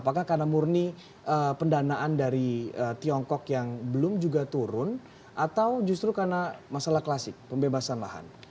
apakah karena murni pendanaan dari tiongkok yang belum juga turun atau justru karena masalah klasik pembebasan lahan